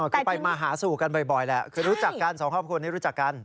คือไปมาหาสู่กันบ่อยแหละคือรู้จักกันสองครอบครัวนี้รู้จักกัน